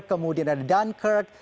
kemudian ada dunkirk